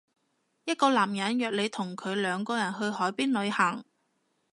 一個男人約你同佢兩個人去海邊旅行